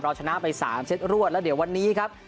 ชนะไป๓เซตรวดแล้วเดี๋ยววันนี้ครับ